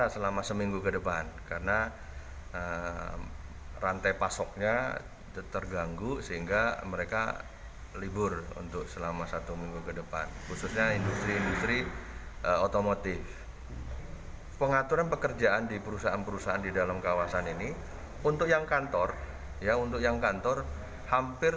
sudah bekerja di rumah